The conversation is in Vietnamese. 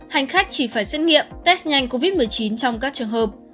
hành khách chỉ phải xét nghiệm test nhanh covid một mươi chín trong các trường hợp